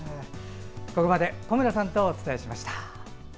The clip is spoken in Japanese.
ここまで小村さんとお伝えしました。